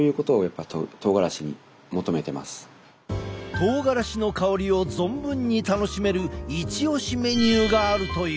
とうがらしの香りを存分に楽しめるイチ推しメニューがあるという。